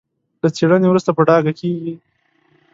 له څېړنې وروسته په ډاګه کېږي.